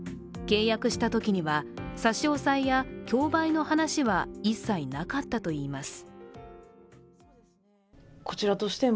契約したときには、差し押さえや競売の話は一切なかったといいます。